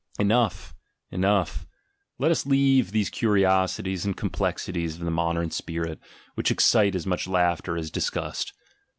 Enough ! enough ! let us leave these curiosities and com plexities of the modern spirit, which excite as much laugh ter as disgust.